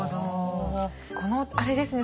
このあれですね